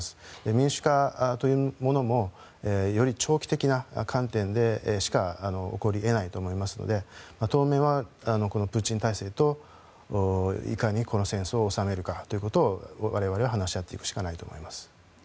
民主化というものもより長期的な観点でしか起こり得ないと思いますので当面はプーチン体制といかにこの戦争を収めるかということを我々は話し合っていくしかないと思います。